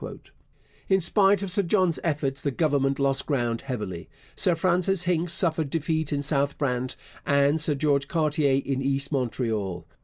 In spite of Sir John's efforts the Government lost ground heavily. Sir Francis Hincks suffered defeat in South Brant, and Sir George Cartier in East Montreal.